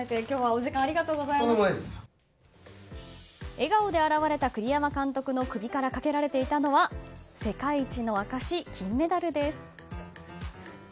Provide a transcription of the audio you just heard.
笑顔で現れた栗山監督の首からかけられていたのは世界一の証し、金メダルです。